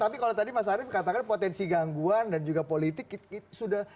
tapi kalau tadi mas arief katakan potensi gangguan dan juga politik sudah